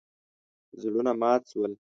زړونه مات شول.